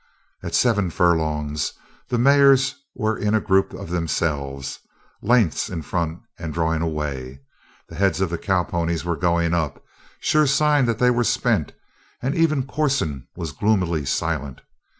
At seven furlongs the mares were in a group of themselves, lengths in front and drawing away; the heads of the cowponies were going up, sure sign that they were spent, and even Corson was gloomily silent.